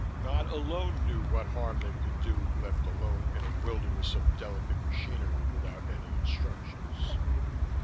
God alone knew what harm they could do, left alone in a wilderness of delicate machinery without any instructions.